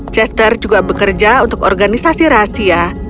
chester juga bekerja untuk organisasi rahasia